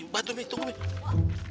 bantu mi tunggu mi